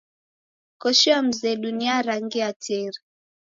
Koshi ya mzedu ni ya rangi ya teri.